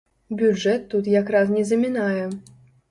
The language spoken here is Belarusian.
Бюджэт тут як раз не замінае.